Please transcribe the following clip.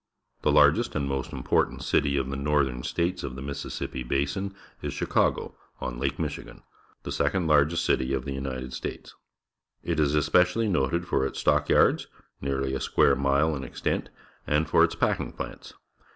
The largest and most important city of the Northern States of the Mississippi Basin is Chicago on Lake Michigan, the second city of the United States in size. It is especially noted for its stockyards, nearly a square mile in extent, and for its packing plants.